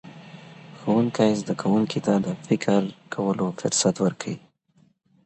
ښوونکی زدهکوونکي ته د فکر کولو فرصت ورکوي.